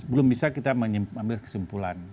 belum bisa kita ambil kesimpulan